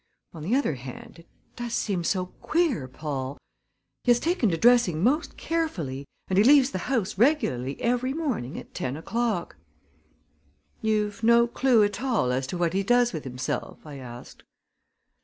On the other hand, it does seem so queer, Paul! He has taken to dressing most carefully and he leaves the house regularly every morning at ten o'clock." "You've no clew at all as to what he does with himself?" I asked.